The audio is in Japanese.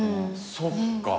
そっか。